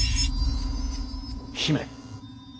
姫。